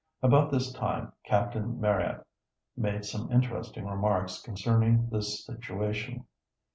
About this time Captain Marryat made some interesting remarks concerning this situation.